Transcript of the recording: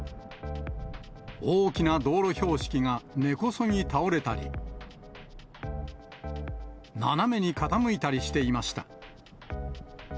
大きな道路標識が根こそぎ倒れたり、斜めに傾いたりしていました。